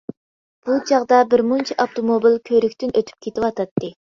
بۇ چاغدا بىر مۇنچە ئاپتوموبىل كۆۋرۈكتىن ئۆتۈپ كېتىۋاتاتتى.